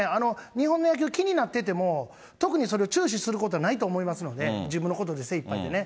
日本の野球、気になってても、特にそれを注視することはないと思いますので、自分のことで精いっぱいでね。